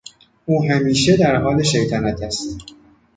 او همیشه در حال شیطنت است.